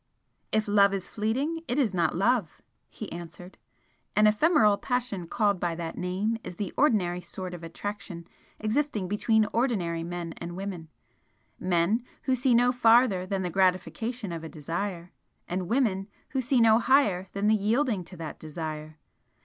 "If love is fleeting, it is not love!" he answered "As ephemeral passion called by that name is the ordinary sort of attraction existing between ordinary men and women, men, who see no farther than the gratification of a desire, and women, who see no higher than the yielding to that desire.